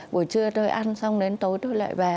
buổi trưa tôi ăn xong đến tối tôi lại về